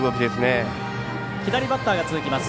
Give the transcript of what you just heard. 左バッターが続きます。